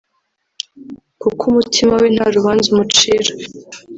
kuko umutima we nta rubanza umucira